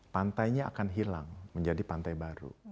pantainya akan hilang menjadi kondisi